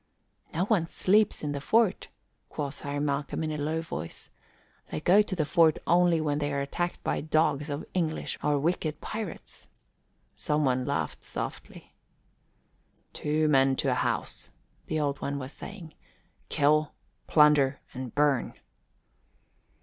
"No one sleeps in the fort," quoth Harry Malcolm in a low voice. "They go to the fort only when they are attacked by dogs of English or wicked pirates." Some one laughed softly. "Two men to a house," the Old One was saying. "Kill, plunder, and burn!"